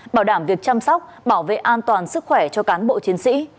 bảo đảm việc chăm sóc bảo vệ an toàn sức khỏe cho cán bộ chiến sĩ